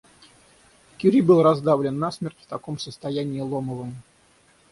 Кюри был раздавлен насмерть в таком состоянии ломовым.